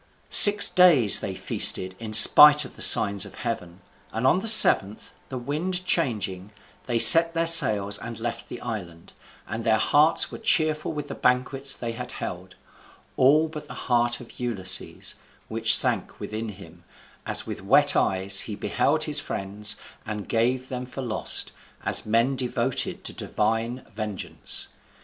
Six days they feasted in spite of the signs of heaven, and on the seventh, the wind changing, they set their sails and left the island; and their hearts were cheerful with the banquets they had held; all but the heart of Ulysses, which sank within him, as with wet eyes he beheld his friends, and gave them for lost, as men devoted to divine vengeance.